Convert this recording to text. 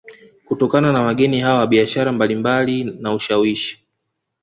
Kutokana na wageni hawa biashara mbalimbali na ushawishi